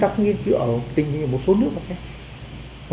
thiết động hậu thuận